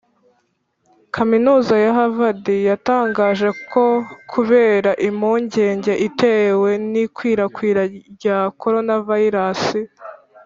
kaminuza ya harvard yatangaje ko kubera impungenge itewe n'ikwirakwira rya coronavirus,